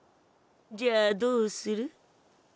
じゃあどうする？